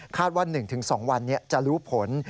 คาดว่า๑ถึง๒วันเนี่ยจะรู้ผล